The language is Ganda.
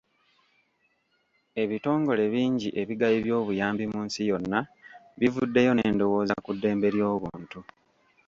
Ebitongole bingi ebigabi by'obuyambi mu nsi yonna bivuddeyo n'endowooza ku ddembe ly'obuntu.